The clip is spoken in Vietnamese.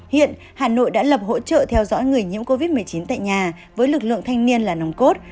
hiện hà nội đã lập hỗ trợ theo dõi người nhiễm covid một mươi chín tại nhà với lực lượng thanh niên là nồng cốt